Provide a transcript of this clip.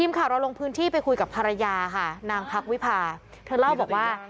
นางพรรควิภาเธอเล่าบอกว่า